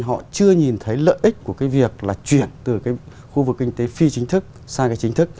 họ chưa nhìn thấy lợi ích của cái việc là chuyển từ cái khu vực kinh tế phi chính thức sang cái chính thức